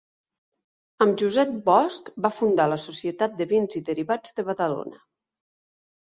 Amb Josep Bosch va fundar la Societat de Vins i Derivats de Badalona.